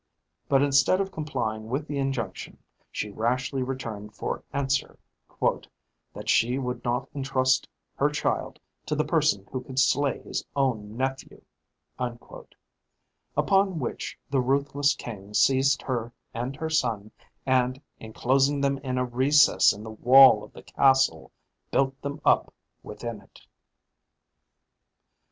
But instead of complying with the injunction, she rashly returned for answer "that she would not entrust her child to the person who could slay his own nephew." Upon which the ruthless king seized her and her son, and enclosing them in a recess in the wall of the castle, built them up within it.